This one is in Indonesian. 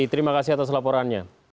terima kasih atas laporannya